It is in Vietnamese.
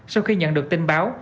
sau khi nhận được tin báo